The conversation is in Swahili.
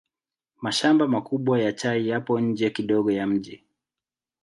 Mashamba makubwa ya chai yapo nje kidogo ya mji.